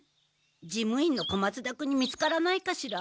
事務員の小松田君に見つからないかしら。